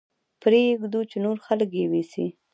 پرې يې ږدو چې نور خلک يې ويسي.